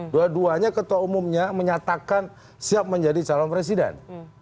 dua duanya ketua umumnya menyatakan siap menjadi calon presiden